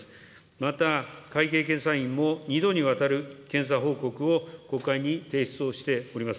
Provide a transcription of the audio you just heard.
また、会計検査院も２度にわたる検査報告を国会に提出をしております。